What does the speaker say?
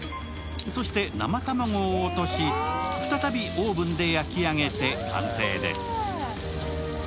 そして生卵を落とし、再びオーブンで焼き上げて完成です。